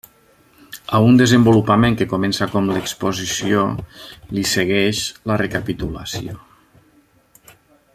A un desenvolupament que comença com l'exposició li segueix la recapitulació.